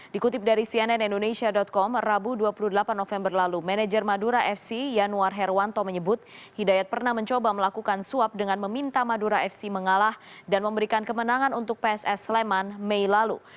dikutip dari cnn indonesia com rabu dua puluh delapan november lalu manajer madura fc yanuar herwanto menyebut hidayat pernah mencoba melakukan suap dengan meminta madura fc mengalah dan memberikan kemenangan untuk pss sleman mei lalu